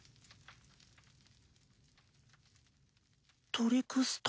トリクスタ。